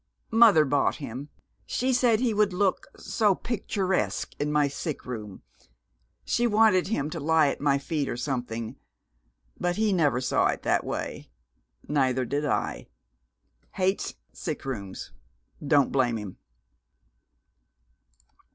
"Mother bought him, she said, because he would look so picturesque in my sick room. She wanted him to lie at my feet or something. But he never saw it that way neither did I. Hates sick rooms. Don't blame him."